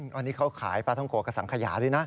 วันนี้เขาขายปลาท่องโกะกับสังขยาด้วยนะ